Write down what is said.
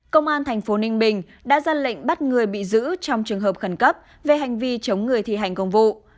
công an thành phố ninh bình đã ra lệnh bắt người bị giữ trong trường hợp khẩn cấp về hành vi chống người thi hành công vụ